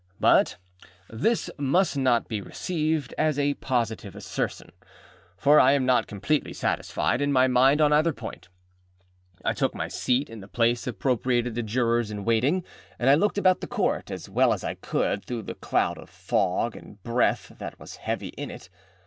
But this must not be received as a positive assertion, for I am not completely satisfied in my mind on either point. I took my seat in the place appropriated to Jurors in waiting, and I looked about the Court as well as I could through the cloud of fog and breath that was heavy in it.